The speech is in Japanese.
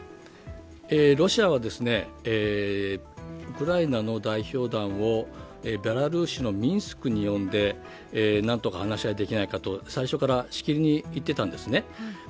ロシアはウクライナの代表団をベラルーシのミンスクに呼んで何とか話し合いができないかと最初からしきりに言ってたんですね。